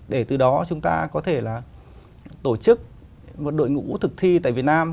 để từ đó chúng ta có thể là tổ chức một đội ngũ thực thi tại việt nam